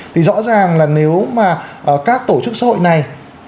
thì rõ ràng là nếu mà các tổ chức xã hội này